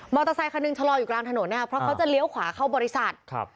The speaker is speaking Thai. อเตอร์ไซคันหนึ่งชะลออยู่กลางถนนนะครับเพราะเขาจะเลี้ยวขวาเข้าบริษัทครับ